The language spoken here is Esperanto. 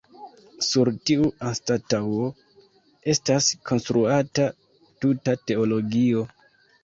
Sur tiu anstataŭo estas konstruata tuta teologio.